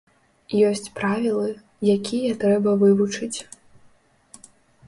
Ёсць правілы, якія трэба вывучыць.